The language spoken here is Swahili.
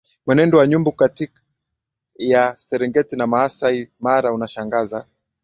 Mwenendo wa nyumbu kati ya Serengeti na Maasai Mara unashangaza